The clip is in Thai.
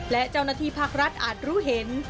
และเจ้าหน้าที่ภาครัฐอาจรู้เห็น